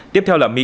tiếp theo là mỹ